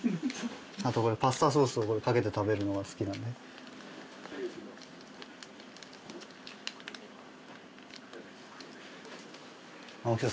あとこれパスタソースをかけて食べるのが好きなんで青木